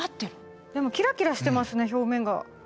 でもキラキラしてますね表面が。